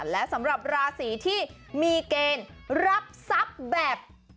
และสำหรับราศีที่มีเกณฑ์รับทรัพย์แบบ